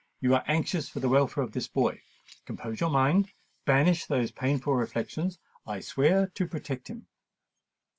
"You are anxious for the welfare of this boy? Compose your mind—banish those painful reflections—I swear to protect him!"